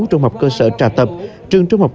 trung học cơ sở trà tập trường trung học